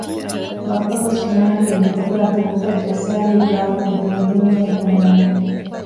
ބައްޕަގޮސް ކިނާންގެ ނިތުގައި ތުންފަތް ޖައްސާލީ ކާފަގެ ދޮންދޫންޏޭ ބުނެލަމުން